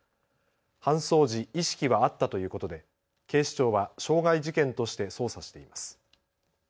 搬送時、意識はあったということで警視庁は傷害事件として捜査しています。